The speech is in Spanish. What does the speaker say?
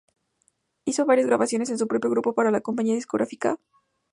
Hizo varias grabaciones con su propio grupo para la compañía discográfica Polygram Records.